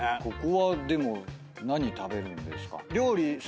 ここはでも何食べるんですか？